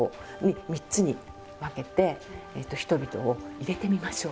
３つに分けて人々を入れてみましょう。